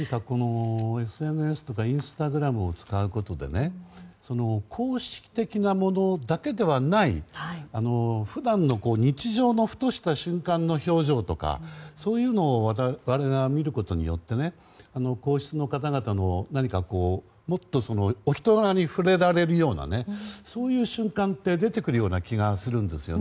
ＳＮＳとかインスタグラムを使うことで公式的なものだけではない普段の日常のふとした瞬間の表情とかそういうのを我々が見ることによって皇室の方々のもっとお人柄に触れられるようなそういう瞬間って出てくる気もするんですよね。